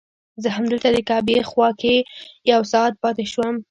زه همدلته د کعبې خوا کې یو ساعت پاتې شوم.